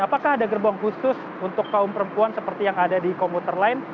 apakah ada gerbong khusus untuk kaum perempuan seperti yang ada di komuter lain